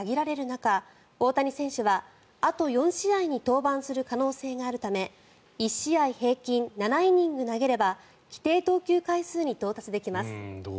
中大谷選手はあと４試合に登板する可能性があるため１試合平均７イニング投げれば規定投球回数に到達できます。